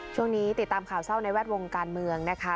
ติดตามข่าวเศร้าในแวดวงการเมืองนะคะ